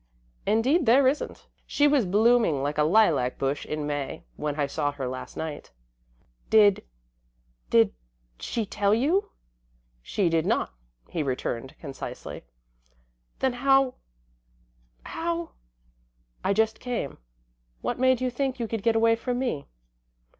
"Indeed there isn't. She was blooming like a lilac bush in May, when I saw her last night." "Did did she tell you?" "She did not," he returned, concisely. "Then how how ?" "I just came. What made you think you could get away from me?"